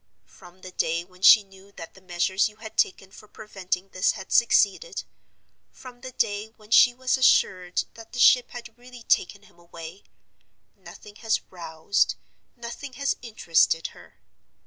From the day when she knew that the measures you had taken for preventing this had succeeded; from the day when she was assured that the ship had really taken him away, nothing has roused, nothing has interested her.